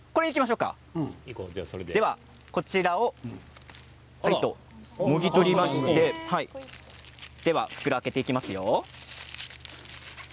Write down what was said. では、こちらをもぎ取りまして袋を開けていきますよ。